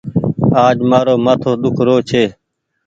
آج مآرو مآٿو ۮيک رو ڇي۔